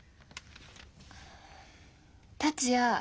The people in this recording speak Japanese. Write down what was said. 達也。